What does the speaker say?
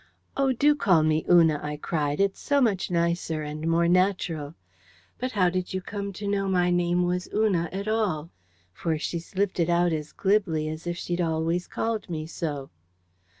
"Oh, do call me Una!" I cried; "it's so much nicer and more natural.... But how did you come to know my name was Una at all?" For she slipped it out as glibly as if she'd always called me so.